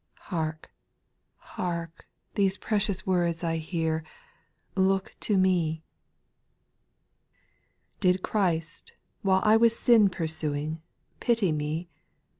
Hark, hark, these precious words I hear. Look to me. 2. Did Christ, while I was sin pursuing. Pity me ?